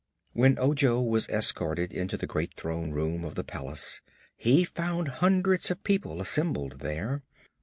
When Ojo was escorted into the great Throne Room of the palace he found hundreds of people assembled there.